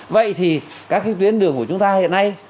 vậy thì các cái tuyến đường của chúng ta hiện nay